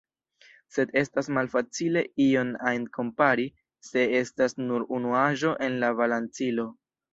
Sed estas malfacile ion ajn kompari, se estas nur unu aĵo en la balancilo.